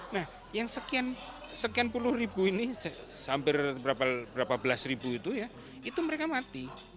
nah yang sekian puluh ribu ini hampir berapa belas ribu itu ya itu mereka mati